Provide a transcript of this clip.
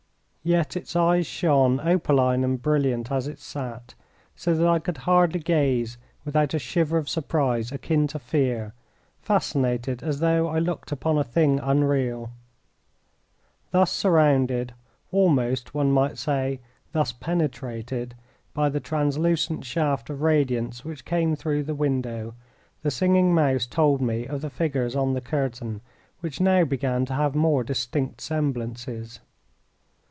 Yet its eyes shone opaline and brilliant as it sat, so that I could hardly gaze without a shiver of surprise akin to fear, fascinated as though I looked upon a thing unreal. Thus surrounded, almost one might say thus penetrated, by the translucent shaft of radiance which came through the window, the Singing Mouse told me of the figures on the curtain, which now began to have more distinct semblances.